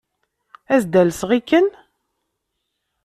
Ad as-d-alseɣ i Ken?